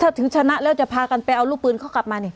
ถ้าถึงชนะแล้วจะพากันไปเอาลูกปืนเขากลับมานี่